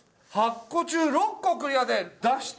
８個中６個クリアで「脱出！